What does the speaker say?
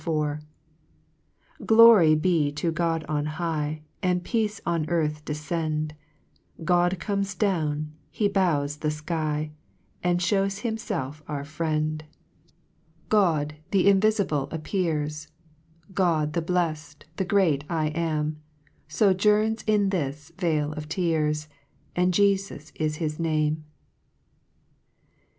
HYMN IV. 1 f^i LORY be to God on high, vJT And peace on earth defcend ; God comes down ; he bows the iky, And Ihews himfelf our Friend ! 7 God ( 5 ) God, tlic Invifible appears ! God, the bleil, the great 1 AM, Sojourns in this vale of tears, And Jefus is his Name.